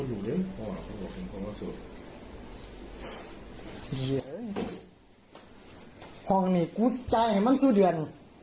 ห้องนี้กูจารศิษฐ์ให้มันซู่เดือน